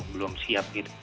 belum siap gitu